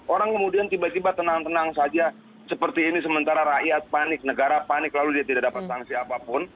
orang kemudian tiba tiba tenang tenang saja seperti ini sementara rakyat panik negara panik lalu dia tidak dapat sanksi apapun